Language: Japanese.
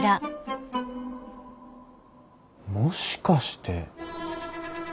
もしかして。